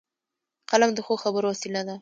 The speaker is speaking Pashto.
قلم د ښو خبرو وسیله ده